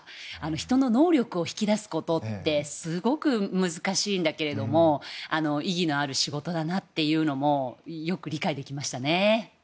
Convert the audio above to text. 人の能力を引き出すことってすごく難しいんだけれども意義のある仕事だなというのもよく理解できましたね。